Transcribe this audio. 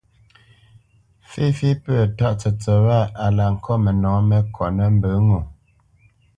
Féfé pə̂ tǎʼ tsətsət wâ a la ŋkôt mənɔ̌ mé kotnə́ mbə ŋo.